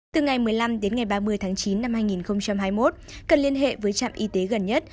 từ ngày một mươi năm đến ngày ba mươi tháng chín năm hai nghìn hai mươi một cần liên hệ với trạm y tế gần nhất